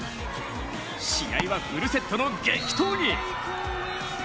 試合はフルセットの激闘に。